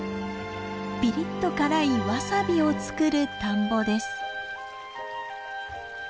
ピリッと辛いワサビを作る田んぼです。